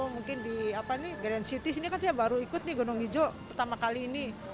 mungkin di grand city sini kan saya baru ikut nih gunung hijau pertama kali ini